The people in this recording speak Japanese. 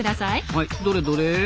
はいどれどれ。